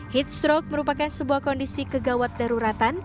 heat stroke merupakan sebuah kondisi kegawat daruratan